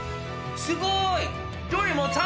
すごーい！